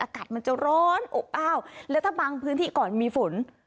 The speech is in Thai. อากาศมันจะร้อนอบอ้าวและถ้าบางพื้นที่ก่อนมีฝน